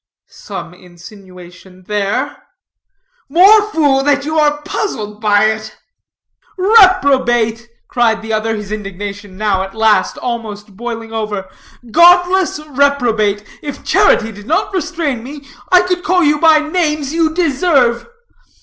"Some insinuation there." "More fool you that are puzzled by it." "Reprobate!" cried the other, his indignation now at last almost boiling over; "godless reprobate! if charity did not restrain me, I could call you by names you deserve."